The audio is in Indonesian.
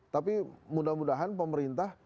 tapi mudah mudahan pemerintah